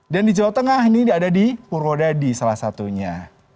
dan di jawa tengah ini ada di purwodadi salah satunya